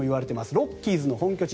ロッキーズの本拠地